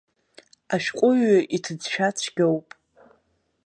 Ашәҟәыҩҩы иҭыӡшәа цәгьоуп.